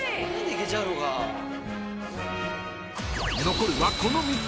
［残るはこの３つ］